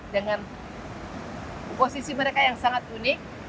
dengan posisi mereka yang sangat unik